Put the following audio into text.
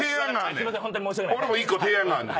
俺も１個提案があんねん。